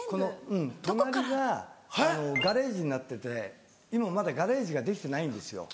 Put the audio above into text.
うん隣がガレージになってて今まだガレージができてないんですよ。